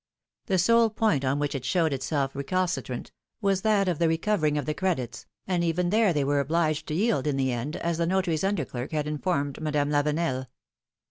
The sole point on which it showed itself recalcitrant, was that of the recovering of the credits, and even there they were obliged to yield in the end, as the notary's under clerk had informed Madame Lavenel.